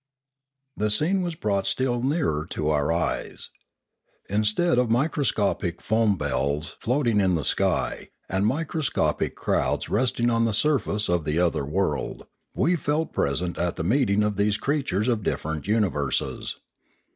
The scene was brought still nearer to our eyes. In stead of microscopic foam bells floating in the sky, and microscopic crowds resting on the surface of the other world, we felt present at the meeting of these creatures of different universes.